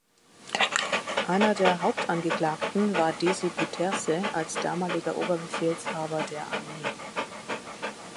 Einer der Hauptangeklagten war Desi Bouterse als damaliger Oberbefehlshaber der Armee.